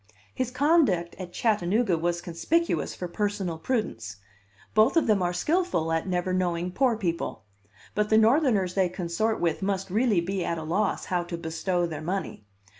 His conduct at Chattanooga was conspicuous for personal prudence. Both of them are skillful in never knowing poor people but the Northerners they consort with must really be at a loss how to bestow their money.